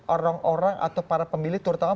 orang orang atau para pemilih terutama